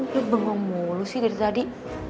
lu bengong mulu sih dari tadi